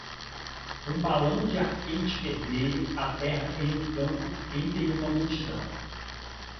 Um balão de ar quente vermelho aterra em um campo entre uma multidão.